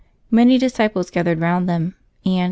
Many disciples gathered round them ; and.